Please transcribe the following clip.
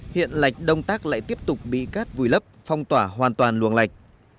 hiện lạch đông tác lại tiếp tục bị cát vùi lấp phong tỏa hoàn toàn luồng lạch